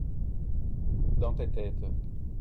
dans tes têtes.